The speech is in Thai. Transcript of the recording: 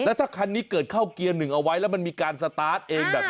แล้วถ้าคันนี้เกิดเข้าเกียร์หนึ่งเอาไว้แล้วมันมีการสตาร์ทเองแบบนี้